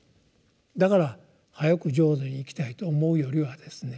だから早く浄土に行きたいと思うよりはですね